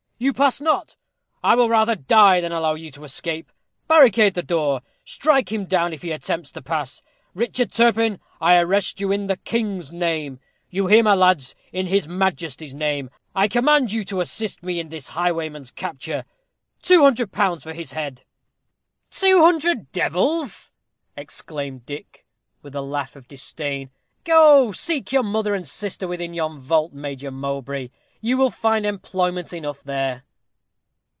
"You pass not. I will die rather than allow you to escape. Barricade the door. Strike him down if he attempts to pass. Richard Turpin, I arrest you in the king's name. You hear, my lads, in his majesty's name. I command you to assist me in this highwayman's capture. Two hundred pounds for his head." "Two hundred devils!" exclaimed Dick, with a laugh of disdain. "Go, seek your mother and sister within yon vault, Major Mowbray; you will find employment enough there."